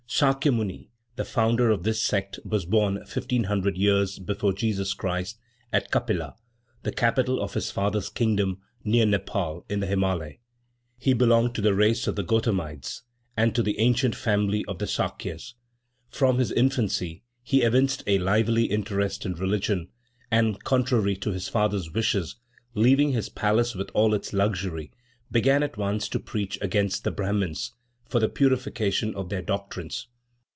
Sakya Muni, the founder of this sect, was born fifteen hundred years before Jesus Christ, at Kapila, the capital of his father's kingdom, near Nepaul, in the Himalayas. He belonged to the race of the Gotamides, and to the ancient family of the Sakyas. From his infancy he evinced a lively interest in religion, and, contrary to his father's wishes, leaving his palace with all its luxury, began at once to preach against the Brahmins, for the purification of their doctrines.